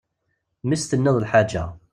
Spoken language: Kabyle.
Mi as-tenniḍ lḥaǧa.